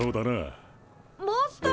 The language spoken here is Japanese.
マスター！